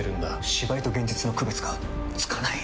芝居と現実の区別がつかない！